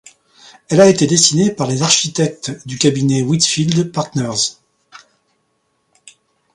Elle a été dessinée par les architectes du cabinet Whitfield Partners.